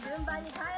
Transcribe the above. え？